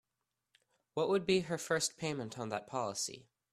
What would be her first payment on that policy?